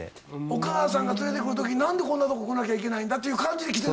お母さんが連れてくるとき何でこんなとこ来なきゃいけないんだっていう感じで来てたのか。